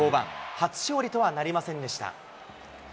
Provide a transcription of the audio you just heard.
初勝利とはなりませんでした。